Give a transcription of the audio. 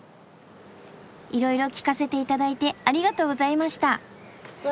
いろいろ聞かせていただいてありがとうございました。